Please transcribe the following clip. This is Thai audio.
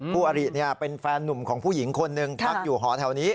อริเป็นแฟนหนุ่มของผู้หญิงคนหนึ่งพักอยู่หอแถวนี้